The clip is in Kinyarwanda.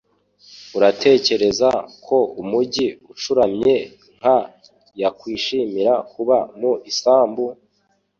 Uratekereza ko umujyi ucuramye nka yakwishimira kuba mu isambu?